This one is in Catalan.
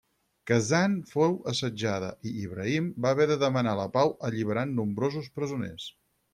Kazan fou assetjada i Ibrahim va haver de demanar la pau alliberant nombrosos presoners.